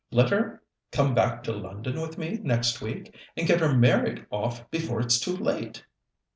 Let her come back to London with me next week, and get her married off before it's too late."